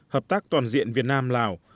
hợp tác toàn diện việt nam lào